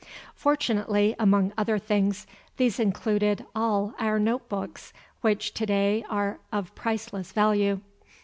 Fortunately, among other things, these included all our note books, which to day are of priceless value.